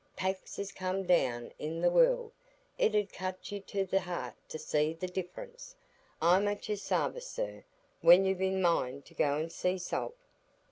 Packs is come down i' the world; it 'ud cut you to th' heart to see the difference. I'm at your sarvice, sir, when you've a mind to go and see Salt."